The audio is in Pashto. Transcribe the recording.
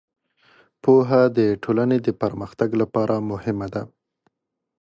پوهه د ټولنې د پرمختګ لپاره مهمه ده.